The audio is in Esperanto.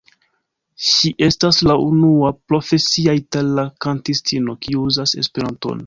Ŝi estas la unua profesia itala kantistino, kiu uzas esperanton.